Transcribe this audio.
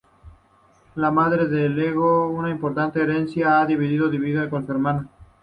La madre le legó una importante herencia, que debió dividir con un hermano.